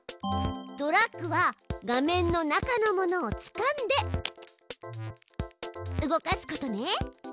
ドラッグは画面の中のものをつかんで動かすことね。